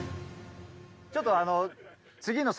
ちょっとあの。